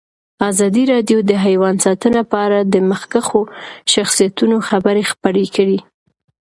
ازادي راډیو د حیوان ساتنه په اړه د مخکښو شخصیتونو خبرې خپرې کړي.